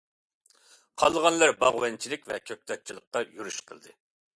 قالغانلىرى باغۋەنچىلىك ۋە كۆكتاتچىلىققا يۈرۈش قىلدى.